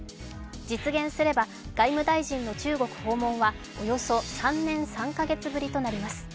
実現すれば、外務大臣の中国訪問はおよそ３年３か月ぶりとなります。